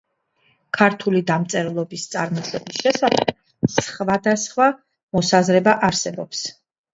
ქართული დამწერლობის წარმოშობის შესახებ სხვადასხვა მოსაზრება არსებობს.